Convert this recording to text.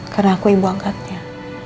karena aku ibu angkatnya